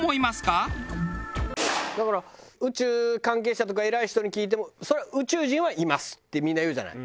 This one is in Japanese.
だから宇宙関係者とか偉い人に聞いてもそれは「宇宙人はいます」ってみんな言うじゃない。